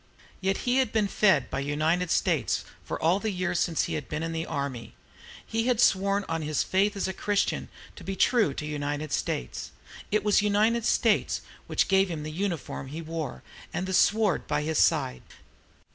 Yet he had been fed by "United States" for all the years since he had been in the army. He had sworn on his faith as a Christian to be true to "United States." It was "United States" which gave him the uniform he wore, and the sword by his side.